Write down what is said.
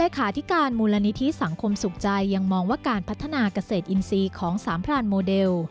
ขาธิการมูลนิธิสังคมสุขใจยังมองว่าการพัฒนาเกษตรอินทรีย์ของสามพรานโมเดล